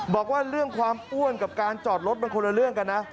บอกว่าเรื่องความอ้วนกับการจอดรถมันคนละเรื่องกันนะ